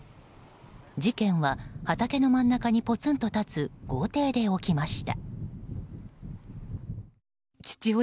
事件は畑の真ん中にぽつんと立つ豪邸で起きました。